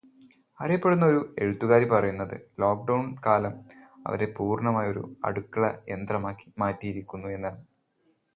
അറിയപ്പെടുന്ന ഒരു എഴുത്തുകാരി പറയുന്നത് ലോക്ക്ഡൗൺ കാലം അവരെ പൂർണമായും ഒരു 'അടുക്കളയന്ത്രമാക്കി' മാറ്റിയിരിക്കുന്നു എന്നാണ്.